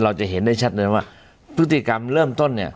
เราจะเห็นได้ชัดเลยว่าพฤติกรรมเริ่มต้นเนี่ย